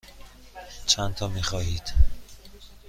چندتا می خواهید؟